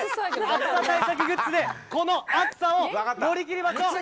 暑さ対策グッズでこの暑さを乗り切りましょう。